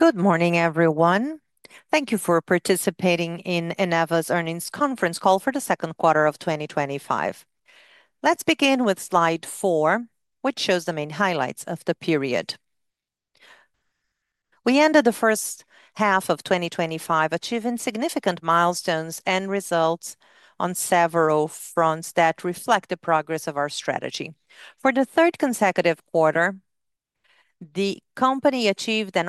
Good morning everyone. Thank you for participating in Eneva's Earnings Conference Call for the Second Quarter of 2025. Let's begin with slide four, which shows the main highlights of the period. We ended the first half of 2025 achieving significant milestones and results on several fronts that reflect the progress of our strategy. For the third consecutive quarter, the company achieved an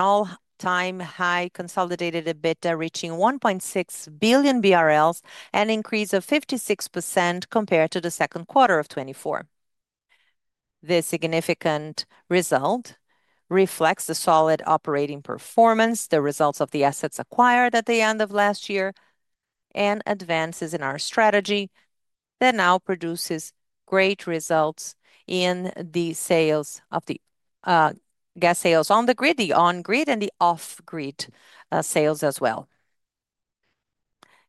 all-time high consolidated EBITDA, reaching 1.6 billion BRL, an increase of 56% compared to 2Q24. This significant result reflects the solid operating performance, the results of the assets acquired at the end of last year, and advances in our strategy that now produces great results in the sales of the gas sales on the grid, the on-grid and the off-grid sales as well.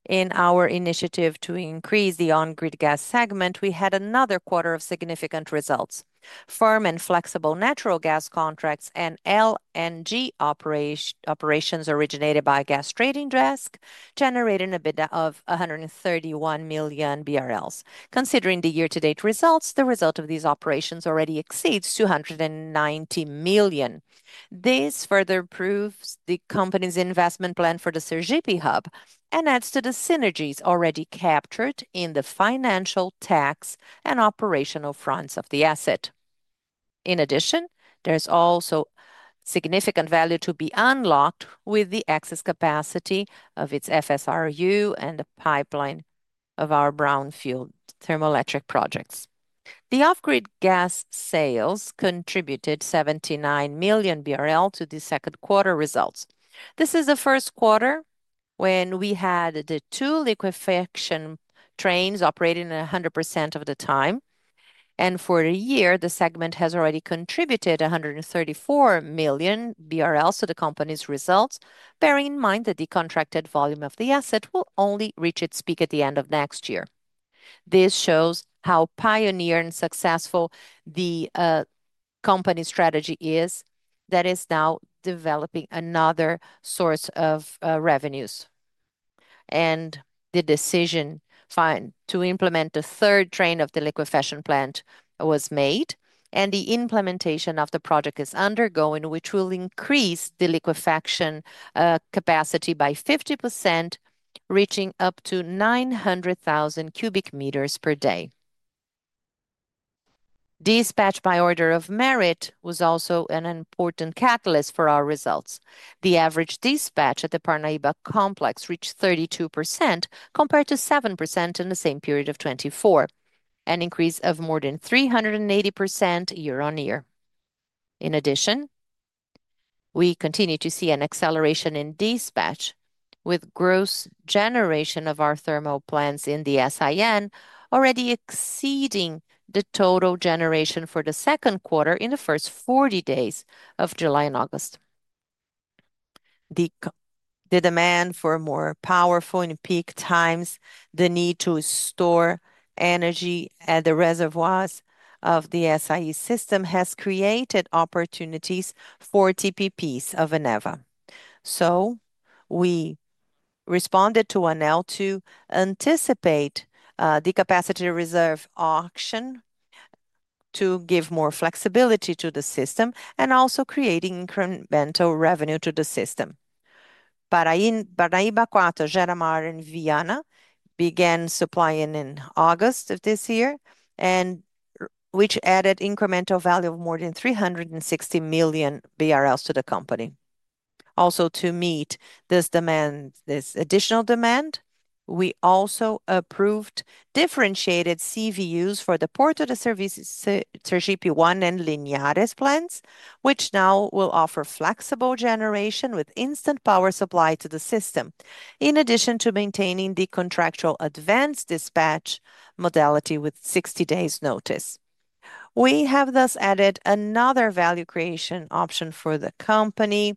In our initiative to increase the on-grid gas segment, we had another quarter of significant results. Firm and flexible natural gas contracts and LNG operations originated by Gas Trading Desk generated EBITDA of 131 million BRL. Considering the year-to-date results, the. Result of these operations already exceeds 290 million. This further proves the company's investment plan. For the Sergipe hub and adds to The synergies already captured in the financial tax and operational fronts of the asset. In addition, there is also significant value to be unlocked with the excess capacity of its FSRU and the pipeline. Our brownfield thermoelectric projects. The off-grid gas sales contributed BRL 79.Million to the second quarter results. This is the first quarter when we had the two liquefaction trains operating 100% of the time, and for a year the segment has already contributed 134 million BRL to the company's results, bearing in mind that the contracted volume of the asset will only reach its peak at the end of next year. This shows how pioneer and successful the company strategy is that is now developing another source of revenues, and the decision to implement a third train of the liquefaction plant was made, and the implementation of the project is undergoing, which will increase the liquefaction capacity by 50%, reaching up to 900,000 cubic meters per day. Dispatch by order of merit was also an important catalyst for our results. The average dispatch at the Parnaíba complex reached 32% compared to 7% in the same period of 2024, an increase of more than 380% year on year. In addition, we continue to see an acceleration in dispatch, with gross generation of our thermal plants in the SIN already exceeding the total generation for the second quarter in the first 40 days of July and August. The demand for more powerful and peak times, the need to store energy at the reservoirs of the SIN system has created opportunities for TPPs of Eneva. We responded to ANEEL to anticipate the capacity reserve auction to give more flexibility to the system and also creating incremental revenue to the system. Parnaíba IV, Gera Maranhão, and Viena began supplying in August of this year, which added incremental value of more than 360 million BRL to the company also to meet this demand. This additional demand we also approved differentiated CVUs for the Porto do Sergipe P1 and Linares plants, which now will offer flexible generation with instant power supply to the system in addition to maintaining the contractual advanced dispatch modality with 60 days notice. We have thus added another value creation option for the company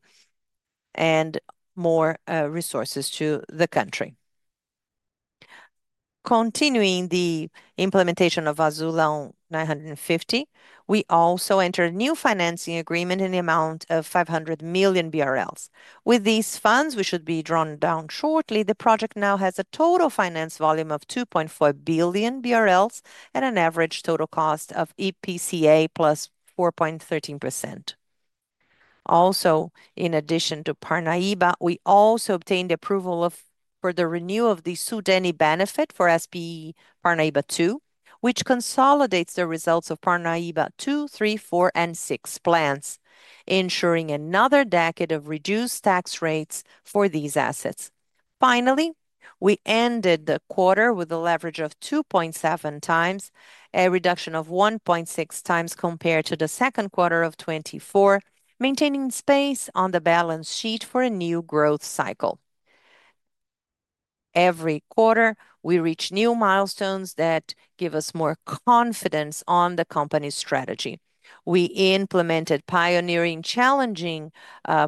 and more resources to the country. Continuing the implementation of Azulão 950, we also entered a new financing agreement in the amount of 500 million BRL with these funds which should be drawn down shortly. The project now has a total finance volume of 2.4 billion BRL and an average total cost of IPCA plus 4.13%. Also in addition to Parnaíba, we also obtained approval for the renewal of the Sudene benefit for SPE Parnaíba II, which consolidates the results of Parnaíba II, III, IV, and VI plants, ensuring another decade of reduced tax rates for these assets. Finally, we ended the quarter with a leverage of 2.7x, a reduction of 1.6x compared to 2Q2024, maintaining space on the balance sheet for a new growth cycle. Every quarter we reach new milestones that give us more confidence on the company's strategy. We implemented pioneering challenging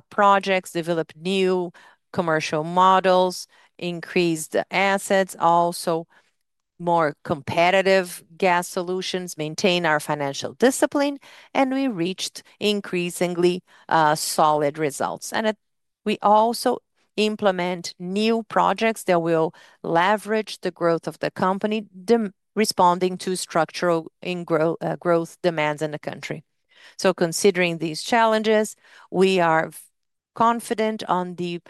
projects, developed new commercial models, increased assets, also more competitive gas solutions, maintain our financial discipline and we reached increasingly solid results that we also implement new projects that will leverage. The growth of the company, responding to. Structural growth demands in the country, considering these challenges, we are confident. On the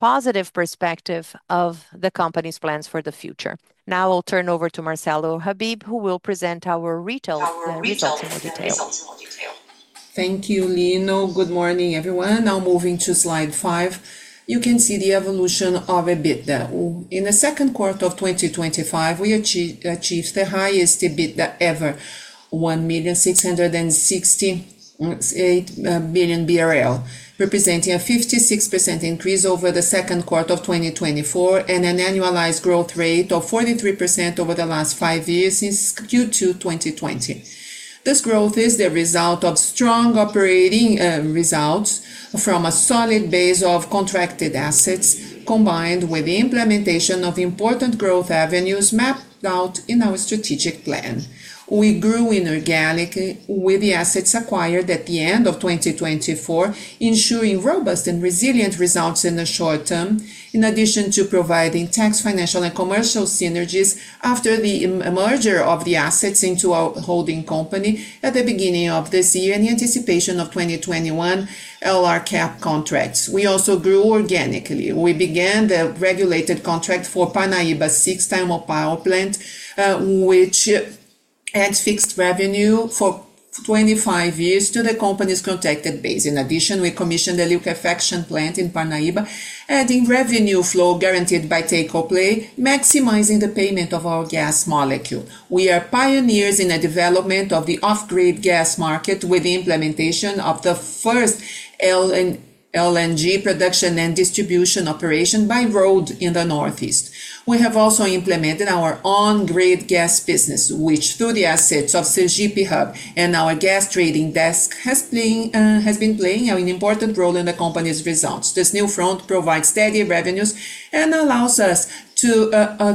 positive perspective of the company's plans for the future, now I'll turn over to Marcelo Habib who will present our retail results in more detail. Thank you, Nino. Good morning everyone. Now moving to Slide 5, you can see the evolution of EBITDA. In the second quarter of 2025, we achieved the highest EBITDA ever, 1.668 billion BRL, representing a 56% increase over the second quarter of 2024 and an annualized growth rate of 43% over the last five years since Q2 2020. This growth is the result of strong operating results from a solid base of contracted assets combined with the implementation of important growth avenues mapped out in our strategic plan. We grew inorganically with the assets acquired at the end of 2024, ensuring robust and resilient results in the short term in addition to providing tax, financial, and commercial synergies. After the merger of the assets into a hold at the beginning of this year in anticipation of 2021 capacity reserve contracts, we also grew organically. We began the regulated contract for Parnaíba 6 thermal power plant which adds fixed revenue for 25 years to the company's contracted base. In addition, we commissioned a gas liquefaction plant in Parnaíba, adding revenue flow guaranteed by Take-or-Pay, maximizing the payment of our gas molecule. We are pioneers in the development of the off-grid gas market with implementation of the first LNG production and distribution operation by road in the Northeast. We have also implemented our on-grid gas business which, through the assets of CGP Hub and our Gas Trading Desk, has been playing an important role in the company's results. This new front provides steady revenues and allows us to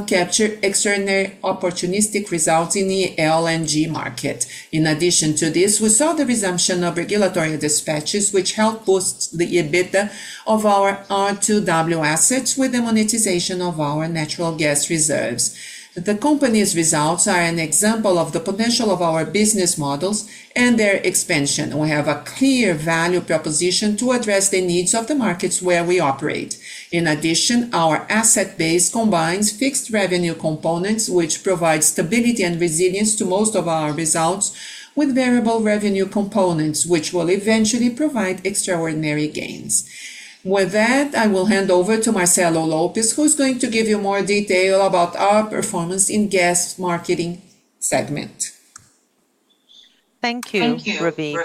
capture extraordinary opportunistic results in the LNG market. In addition to this, we saw the resumption of regulatory dispatches which helped boost the EBITDA of our R2W assets with the monetization of our natural gas reserves. The company's results are an example of the potential of our business models and their expansion. We have a clear value proposition to address the needs of the markets where we operate. In addition, our asset base combines fixed revenue components which provide stability and resilience to most of our results with variable revenue components which will eventually provide extraordinary gains. With that I will hand over to Marcelo Lopes who is going to give you more detail about our performance in gas marketing segment. Thank you, Ravi.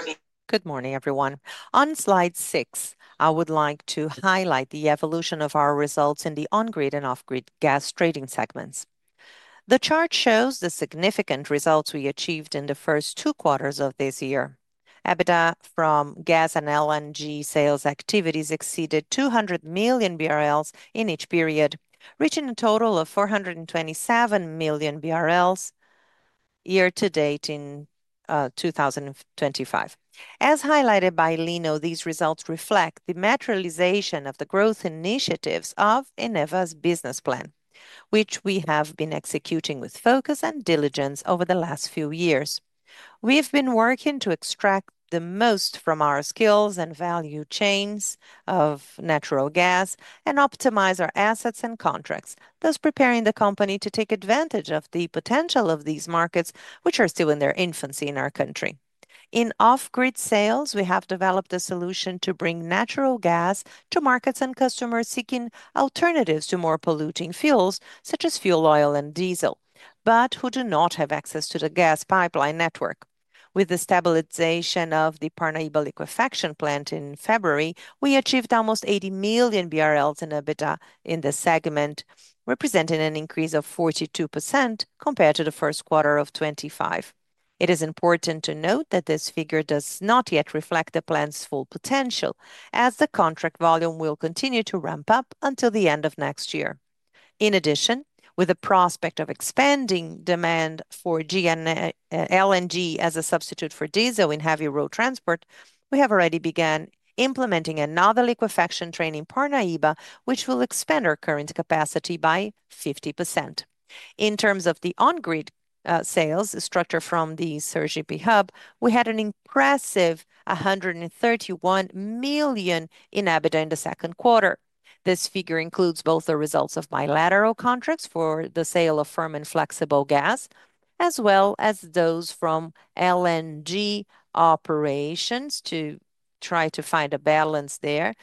Good morning, everyone. On slide 6, I would like to highlight the evolution of our results in the on-grid and off-grid gas trading segments. The chart shows the significant results we achieved in the first two quarters of this year. EBITDA from gas and LNG sales activities exceeded 200 million BRL in each period, reaching a total of 427 million BRL year to date in 2025. As highlighted by Lino Cançado, these results reflect the materialization of the growth initiatives of Eneva's business plan, which we have been executing with focus and diligence over the last few years. We have been working to extract the most from our skills and value chains of natural gas and optimize our assets and contracts, thus preparing the company to take advantage of the potential of these markets, which are still in their infancy in our country. In off-grid sales, we have developed a solution to bring natural gas to markets and customers seeking alternatives to more polluting fuels such as fuel oil and diesel, but who do not have access to the gas pipeline network. With the stabilization of the Parnaíba 6 gas liquefaction plant in February, we achieved almostBRL 80 million in EBITDA in this segment, representing an increase of 42% compared to 1Q25. It is important to note that this figure does not yet reflect the plant's full potential, as the contract volume will continue to ramp up until the end of next year. In addition, with the prospect of expanding demand for LNG as a substitute for diesel in heavy road transport, we have already begun implementing another liquefaction train in Parnaíba, which will expand our current capacity by 50%. In terms of the on-grid sales structure from the Gas Trading Desk hub, we had an impressive 131 million in EBITDA in the second quarter. This figure includes both the results of bilateral contracts for the sale of firm and flexible gas, as well as those from LNG operations, to try to find a balance there,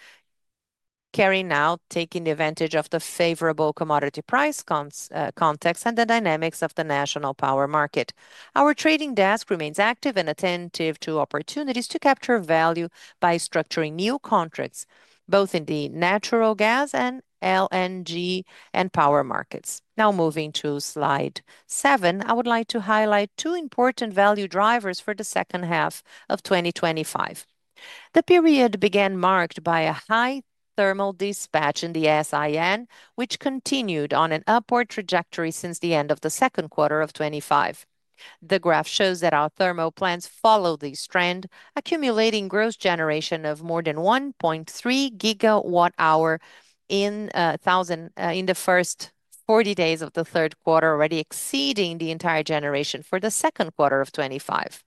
taking advantage of the favorable commodity price context and the dynamics of the national power market. Our Gas Trading Desk remains active and attentive to opportunities to capture value by structuring. New contracts both in the natural gas and LNG and power markets. Now moving to Slide 7, I would like to highlight two important value drivers for the second half of 2025. The period began marked by a high thermal dispatch in the SIN, which continued on an upward trajectory since the end of 2Q25. The graph shows that our thermal plants follow this trend, accumulating gross generation of more than 1.3 GW in the first 40 days of the third quarter, already exceeding the entire generation for 2Q25.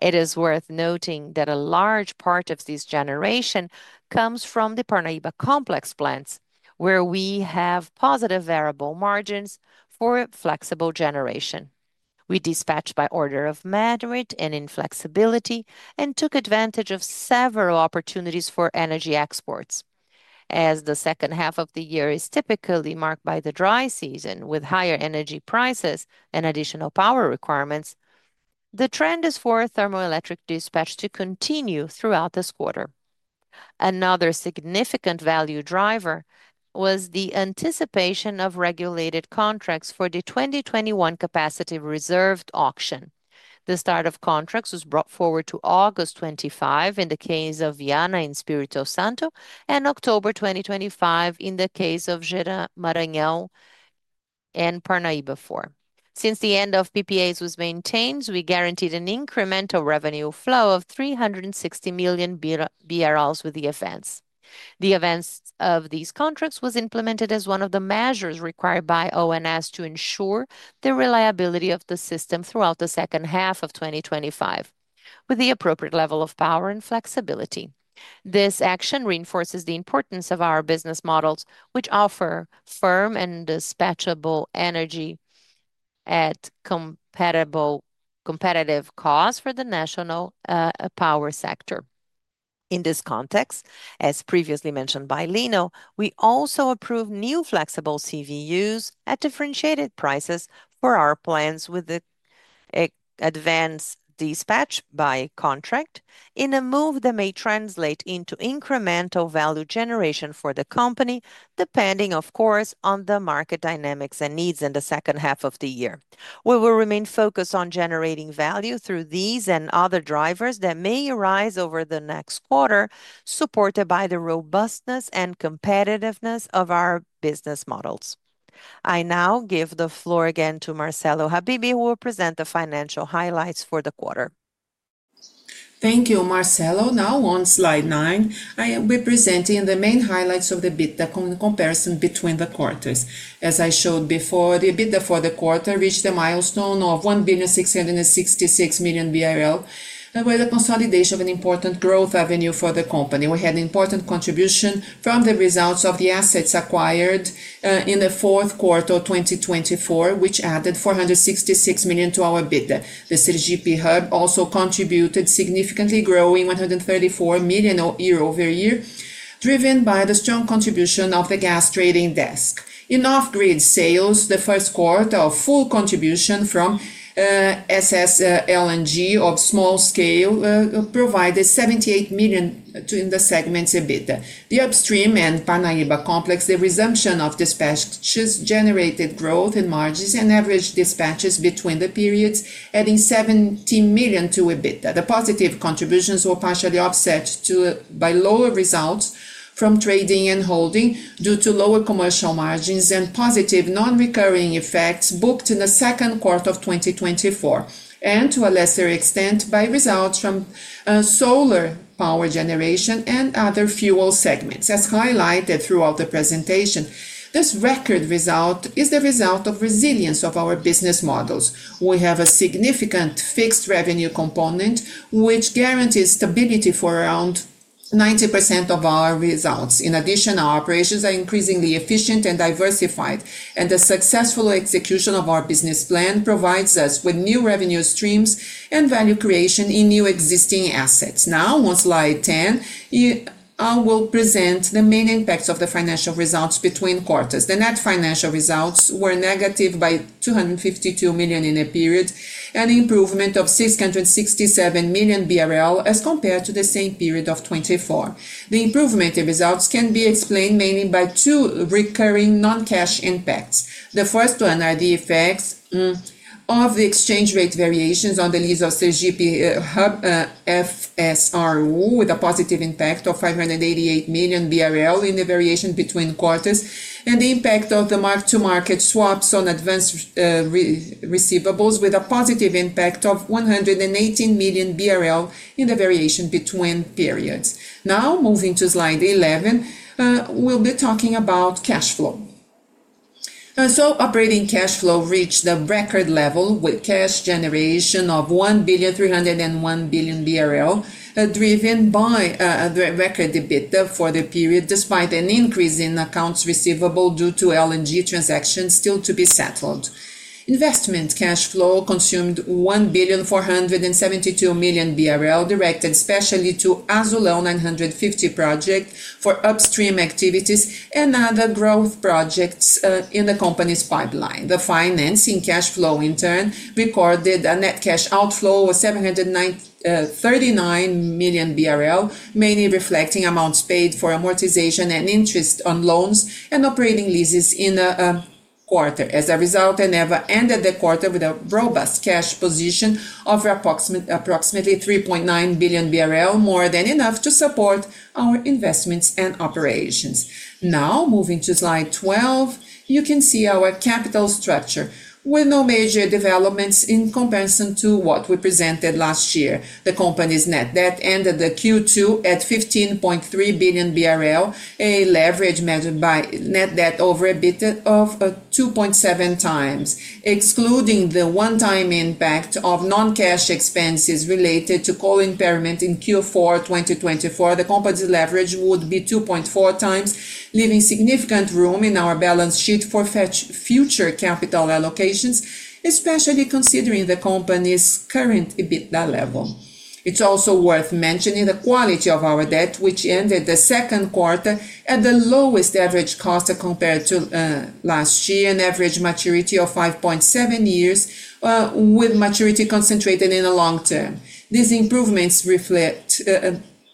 It is worth noting that a large part of this generation comes from the Parnaíba complex plants where we have positive variable margins for flexible generation. We dispatched by order of merit and inflexibility and took advantage of several opportunities for energy exports as the second half of the year is typically marked by the dry season with higher energy prices and additional power requirements. The trend is for thermoelectric dispatch to continue throughout this quarter. Another significant value driver was the anticipation of regulated contracts for the 2021 capacity reserve auction. The start of contracts was brought forward to August 2025 in the case of Iana in Espírito Santo and October 2025 in the case of Jeada, Maranhão and Parnaíba. Since the end of PPAs was maintained, we guaranteed an incremental revenue flow of 360 million BRL with the advance. The advance of these contracts was implemented as one of the measures required by ONS to ensure the reliability of the system throughout the second half of 2025 with the appropriate level of power and flexibility. This action reinforces the importance of our business models which offer firm and dispatchable energy at competitive cost for the national power sector. In this context, as previously mentioned by Lino, we also approve new flexible CVUs at differentiated prices for our plans with the advanced dispatch by contract in a move that may translate into incremental value generation for the company, depending, of course, on the market dynamics and needs in the second half of the year. We will remain focused on generating value through these and other drivers that may arise over the next quarter, supported by the robustness and competitiveness of our business models. I now give the floor again to Marcelo Habib, who will present the financial highlights for the quarter. Thank you, Marcelo. Now on slide nine, I am presenting the main highlights of the EBITDA comparison between the quarters. As I showed before, the EBITDA for the quarter reached a milestone of 1,666,000,000 BRL with a consolidation of an important growth avenue for the company. We had an important contribution from the results of the assets acquired in the fourth quarter 2024, which added 466 million to our EBITDA. The CGP hub also contributed significantly, growing BRL 134 million year over year, driven by the strong contribution of the Gas Trading Desk and off-grid sales. The first quarter of full contribution from SS LNG of small scale provided 78 million in the segment's EBITDA. The upstream and Parnaíba complex, the resumption of dispatches generated growth in margins and averaged dispatches between the periods, adding 17 million to EBITDA. The positive contributions were partially offset by lower results from trading and holding due to lower commercial margins and positive non-recurring effects booked in the second quarter of 2024, and to a lesser extent by results from solar power generation and other fuel segments as highlighted throughout the presentation. This record result is the result of resilience of our business models. We have a significant fixed revenue component, which guarantees stability for around 90% of our results. In addition, our operations are increasingly efficient and diversified, and the successful execution of our business plan provides us with new revenue streams and value creation in new and existing assets. Now on slide 10, I will present the main impacts of the financial results between quarters. The net financial results were negative by 252 million in the period, an improvement of 667 million BRL as compared to the same period of 2024. The improvement can be explained mainly by two recurring non-cash impacts. The first one is the effects of the exchange rate variations on the lease of CGP FSRU, with a positive impact of 588 million BRL in the variation between quarters, and the impact of the mark-to-market swaps on advanced receivables, with a positive impact of 118 million BRL in the variation between periods. Now, moving to slide 11, we'll be talking about cash flow. Operating cash flow reached a record level with cash generation of 1.301 billion, driven by record EBITDA for the period despite an increase in accounts receivable due to LNG transactions still to be settled. Investment cash flow consumed 1.472 billion, directed especially to the Azulão 950 project for upstream activities and other growth projects in the company's pipeline. The financing cash flow in turn recorded a net cash outflow of 739 million BRL, mainly reflecting amounts paid for amortization and interest on loans and operating leases in a quarter. As a result, Eneva ended the quarter with a robust cash position of approximately 3.9 billion BRL, more than enough to support our investments and operations. Now moving to slide 12, you can see our capital structure with no major developments in comparison to what we presented last year. The company's net debt ended Q2 at 15.3 billion BRL, a leverage measured by net debt over EBITDA of 2.7x. Excluding the one-time impact of non-cash expenses related to co-impairment in Q4 2024, the company's leverage would be 2.4x, leaving significant room in our balance sheet for future capital allocations, especially considering the company's current EBITDA level. It's also worth mentioning the quality of our debt, which ended the second quarter at the lowest average cost compared to last year, an average maturity of 5.7 years with maturity concentrated in the long term. These improvements reflect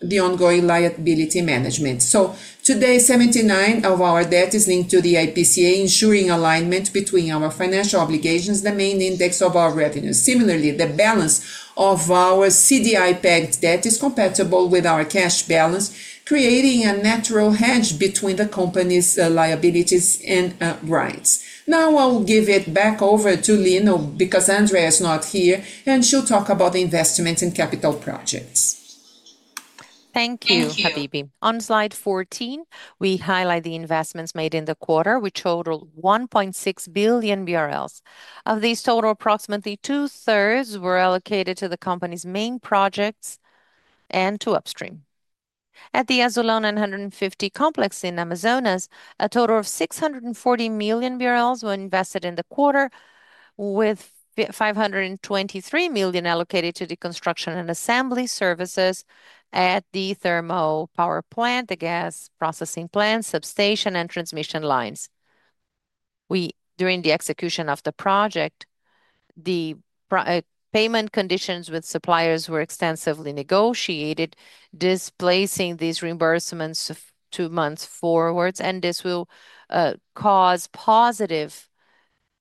the ongoing liability management. Today, 79% of our debt is linked to the IPCA, ensuring alignment between our financial obligations and the main index of our revenues. Similarly, the balance of our CDI-pegged debt is compatible with our cash balance, creating a natural hedge between the company's liabilities and rights. Now I'll give it back over to Lino because Andrea is not here and she'll talk about the investment in capital projects. Thank you, Habib. On slide 14, we highlight the investments made in the quarter, which totaled 1.6 billion BRL. Of this total, approximately 2/3 were allocated to the company's main projects and to upstream at the Azulão 950 complex in Amazonas. A total of 640 million BRL were invested in the quarter, with 523 million allocated to the construction and assembly services at the thermopower plant, the gas processing plant, substation, and transmission lines. During the execution of the project, the payment conditions with suppliers were extensively negotiated, displacing these reimbursements two months forward. This will cause positive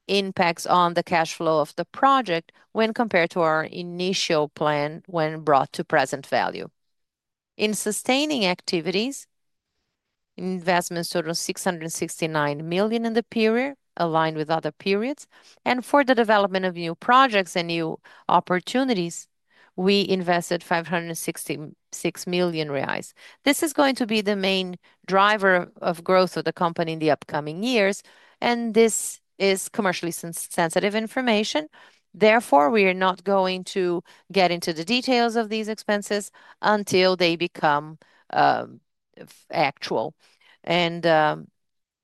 impacts on the cash flow of the project when compared to our initial plan. When brought to present value, sustaining activities investments total 669 million in the period, aligned with other periods, and for the development of new projects and new opportunities, we invested 566 million reais. This is going to be the main driver of growth of the company in the upcoming years. This is commercially sensitive information. Therefore, we are not going to get into the details of these expenses until they become actual.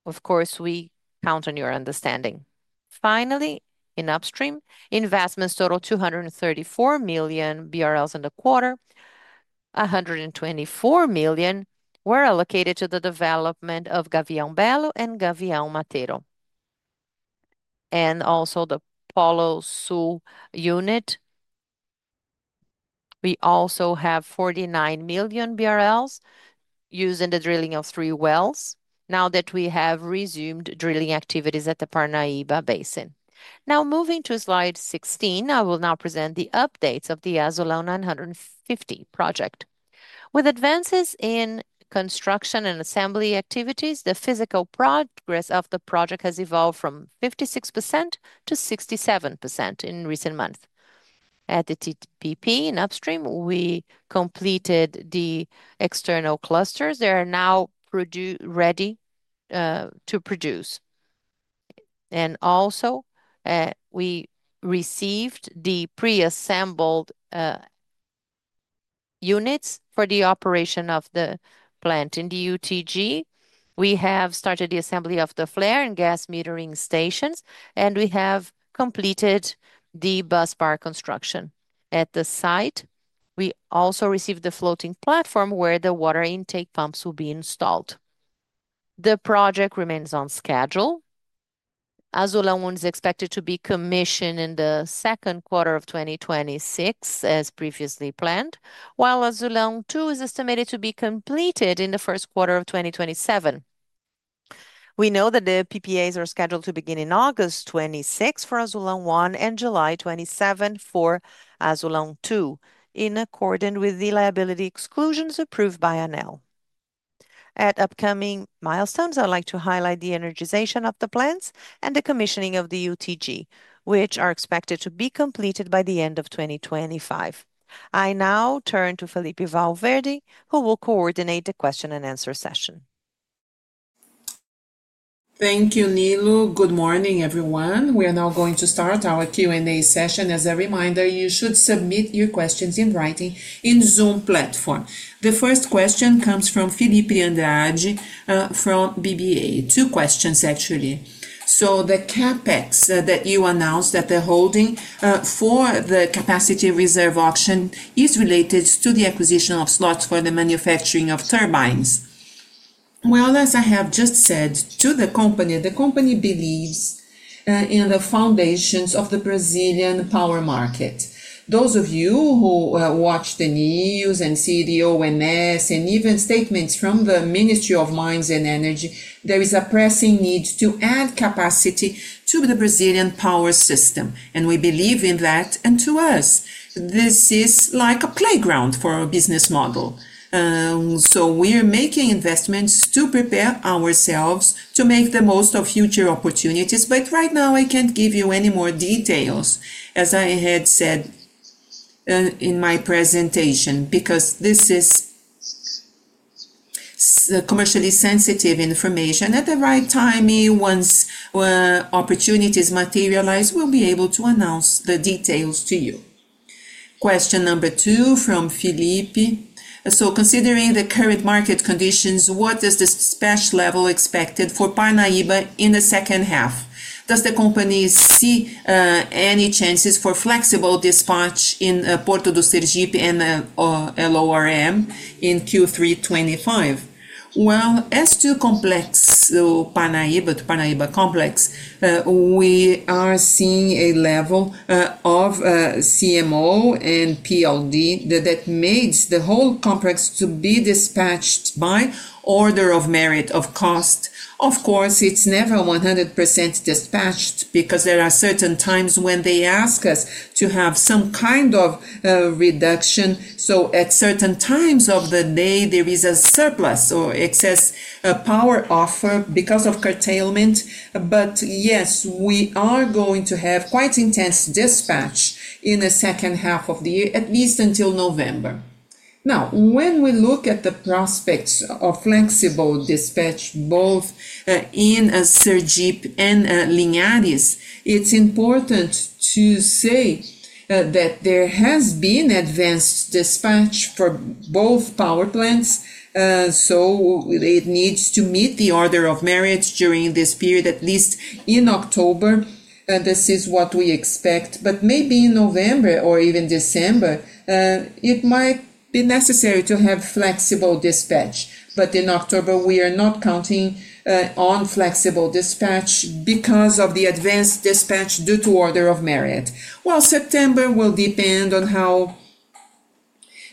Of course we count on your understanding. Finally, in upstream investments, total 234 million BRL in the quarter, 124 million were allocated to the development of Gavião Belo and Gavião Mateiro and also the Paloçu unit. We also have 49 million BRL used in the drilling of three wells. Now that we have resumed drilling activities at the Parnaíba basin, moving to Slide 16, I will now present the updates of the Azulão 950 project. With advances in construction and assembly activities, the physical progress of the project has evolved from 56% to 67% in recent months. At the TPP in upstream, we completed the external clusters. They are now ready to produce and also we received the pre-assembled units for the operation of the plant in the UTG. We have started the assembly of the flare and gas metering stations, and we have completed the busbar construction at the site. We also received the floating platform where the water intake pumps will be installed. The project remains on schedule. Azulão 1 is expected to be commissioned in the second quarter of 2026 as previously planned, while Azulão 2 is estimated to be completed in the first quarter of 2027. We know that the PPAs are scheduled to begin in August 2026 for Azulão 1 and July 2027 for Azulão 2 in accordance with the liability exclusions approved by Eneva. At upcoming milestones, I'd like to highlight the energization of the plants and the commissioning of the UTG, which are expected to be completed by the end of 2025. I now turn to Felipe Valverde, who will coordinate the question and answer session. Thank you, Nilou. Good morning, everyone. We are now going to start our Q and A session. As a reminder, you should submit your questions in writing in the Zoom platform. The first question comes from Felipe and from BBA. Two questions, actually. The CapEx that you announced at the holding for the capacity reserve auction is related to the acquisition of slots for the manufacturing of turbines. As I have just said to the company, the company believes in the foundations of the Brazilian power market. Those of you who watch the news and CDEMs and even statements from the Ministry of Mines and Energy, there is a pressing need to add capacity to the Brazilian power system and we believe in that. To us this is like a playground for a business model. We are making investments to prepare ourselves to make the most of future opportunities. Right now I can't give you any more details, as I had said in my presentation, because this is commercially sensitive information. At the right time, once opportunities materialize, we'll be able to announce the details to you. Question number two from Felipe. Considering the current market conditions, what is the special level expected for Parnaíba in the second half? Does the company see any chances for flexible dispatch in Porto do Sergipe and Lorm in Q3 2025? As to the Parnaíba complex, we are seeing a level of CMO and PLD that makes the whole complex to be dispatched by order of merit, of cost. Of course, it's never 100% dispatched, because there are certain times when they ask us to have some kind of reduction. At certain times of the day there is a surplus or excess power offer because of curtailment. Yes, we are going to have quite intense dispatch in the second half of the year, at least until November. Now, when we look at the prospects of flexible dispatch both in Sergipe and Linidis, it's important to say that there has been advanced dispatch for both power plants. It needs to meet the order of merit during this period. At least in October this is what we expect. Maybe in November or even December it might be necessary to have flexible dispatch. In October we are not counting on flexible dispatch because of the advanced dispatch due to order of merit. September will depend on how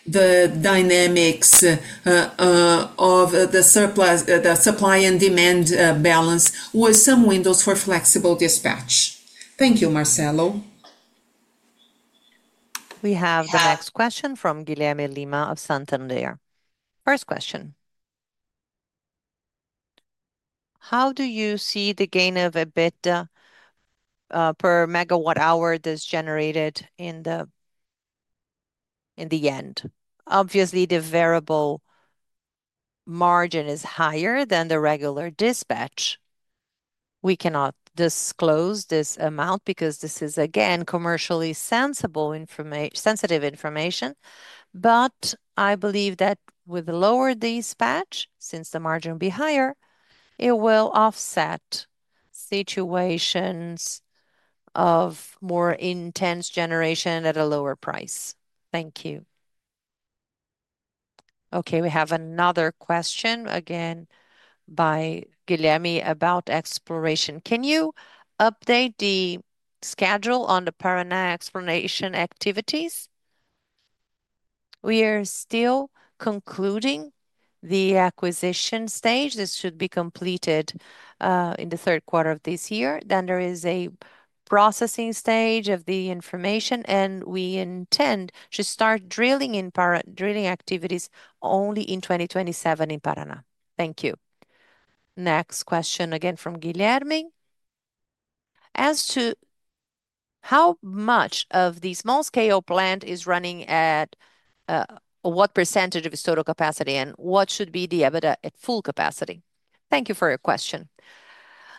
the dynamics of the surplus, the supply and demand balance was. Some windows for flexible dispatch. Thank you, Marcelo. We have the next question from Guilherme Lima of Santander. First question, how do you see the gain of EBITDA per megawatt hour that's generated in the end? Obviously, the variable margin is higher than the regular dispatch. We cannot disclose this amount because of this is again commercially sensible information, sensitive information. I believe that with the lower dispatch, since the margin will be higher, it will offset situations of more intense generation at a lower price. Thank you. Okay, we have another question again by Guillemi about exploration. Can you update the schedule on the Parnaíba exploration activities? We are still concluding the acquisition stage. This should be completed in the third quarter of this year. There is a processing stage of the information, and we intend to start drilling in Parnaíba drilling activities only in 2027 in Parnaíba. Thank you. Next question again from Guilherme. As to how much of the small scale plant is running at what percentage of its total capacity and what should be the EBITDA at full capacity? Thank you for your question.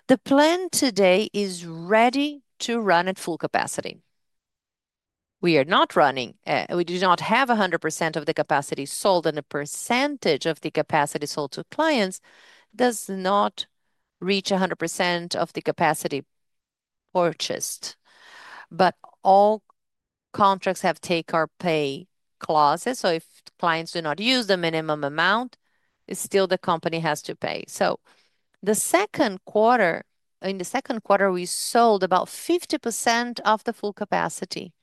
The plant today is ready to run at full capacity. We are not running. We do not have 100% of the capacity sold, and a percentage of the capacity sold to clients does not reach 100% of the capacity purchased. All contracts have take or pay clauses, so if clients do not use the minimum amount, still the company has to pay. In the second quarter, we sold about 50% of the full capacity,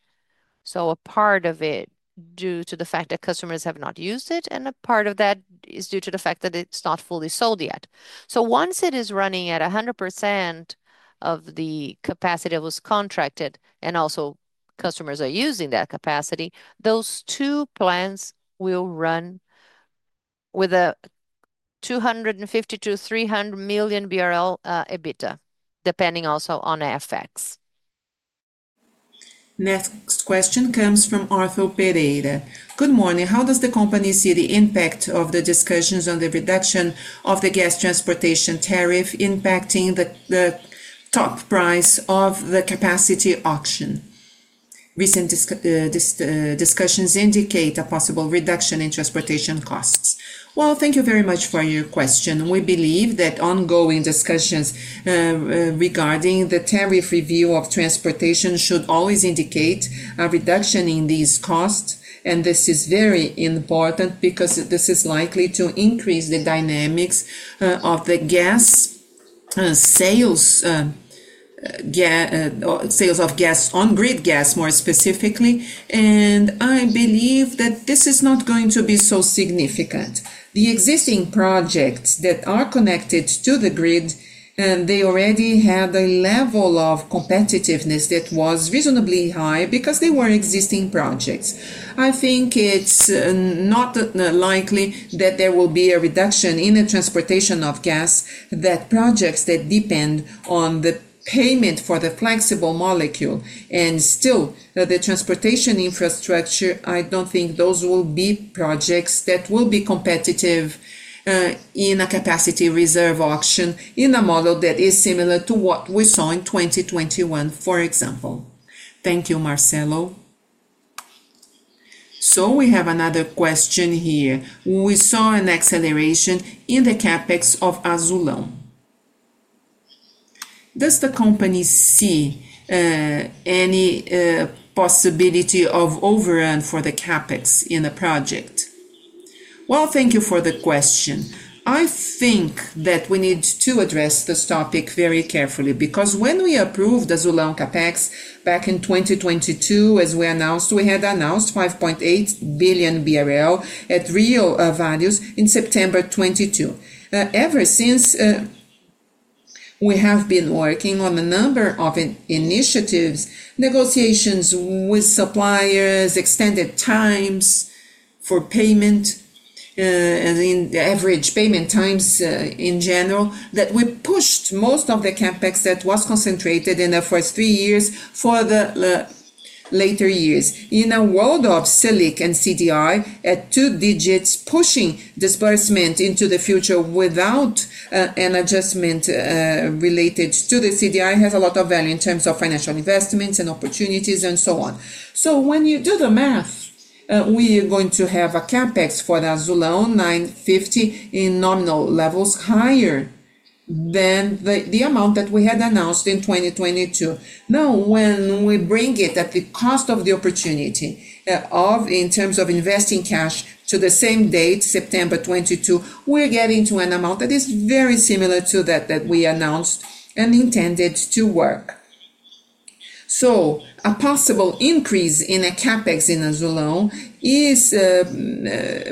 a part of it due to the fact that customers have not used it, and a part of that is due to the fact that it's not fully sold yet. Once it is running at 100% of the capacity that was contracted, and also customers are using that capacity, those two plants will run with a 250 million-300 million BRL EBITDA, depending also on FX. Next question comes from Arthur Pereira. Good morning. How does the company see the impact of the discussions on the reduction of the gas transportation tariff impacting the cost, the top price of the capacity auction? Recent discussions indicate a possible reduction in transportation costs. Thank you very much for your question. We believe that ongoing discussions regarding the tariff review of transportation should always indicate a reduction in these costs. This is very important because this is likely to increase the dynamics of the gas sales. Sales of gas on-grid gas more specifically, and I believe that this is not going to be so significant. The existing projects that are connected to the grid already had a level of competitiveness that was reasonably high because they were existing projects. I think it's not likely that there will be a reduction in the transportation of gas, that projects that depend on the payment for the flexible molecule and still the transportation infrastructure. I don't think those will be projects that will be competitive in a capacity reserve auction in a model that is similar to what we saw in 2021, for example. Thank you, Marcelo. We have another question here. We saw an acceleration in the CapEx of Azulão. Does the company see any possibility of overrun for the CapEx in a project? Thank you for the question. I think that we need to address this topic very carefully because when we approved the Azulão CapEx back in 2022, as we announced, we had announced 5.8 billion BRL at real values in September 22, 2022. Ever since, we have been working on a number of initiatives, negotiations with suppliers, extended times for payment and in average payment times in general that we pushed most of the CapEx that was concentrated in the first three years for the later years in a world of SELIC and CDI at two digits, pushing disbursement into the future without an adjustment, investment related to the CDI has a lot of value in terms of financial investments and opportunities and so on. When you do the math, we are going to have a CapEx for the Azulão 950 in nominal levels higher than the amount that we had announced in 2022. Now, when we bring it at the cost of the opportunity in terms of investing cash to the same date, September 22, 2022, we're getting to an amount that is very similar to that we announced and intended to work. A possible increase in CapEx in Azulão is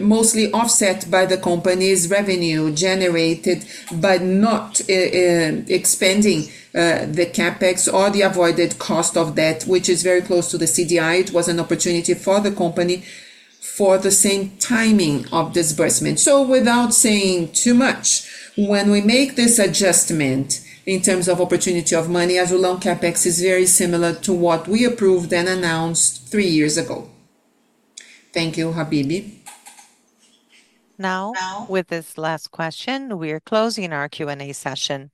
mostly offset by the company's revenue generated by not expanding the CapEx or the avoided cost of debt, which is very close to the CDI. It was an opportunity for the company for the same timing of disbursement. Without saying too much, when we make this adjustment in terms of opportunity of money, as a long CapEx, it is very similar to what we approved and announced three years ago. Thank you, Habib. Now with this last question, we are closing our Q&A session.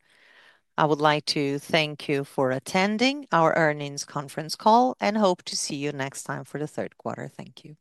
I would like to thank you for attending our earnings conference call and hope to see you next time for the third quarter. Thank you.